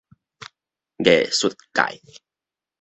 藝術界